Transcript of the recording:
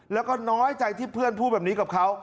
แล้วก็น้อยใจที่เพื่อนพูดแบบนี้กับเขา